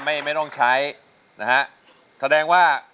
เปลี่ยนเพลงเก่งของคุณและข้ามผิดได้๑คำ